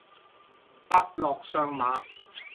伯樂相馬